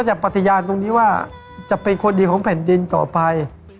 จะปฏิญาณตรงนี้ว่าจะเป็นคนดีของแผ่นดินต่อไป